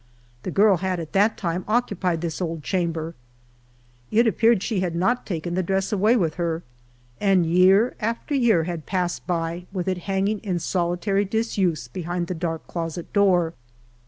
The girl had at that time occupied this old chamber ; it appeared she had not taken the dress away with her, and year after year had passed by with it hanging in solitary disuse behind the dark closet door.